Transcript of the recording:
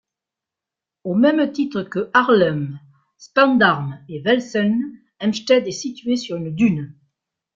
Au même titre que Haarlem, Spaarndam et Velsen, Heemstede est située sur une dune.